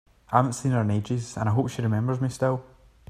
I haven’t seen her in ages, and I hope she remembers me still!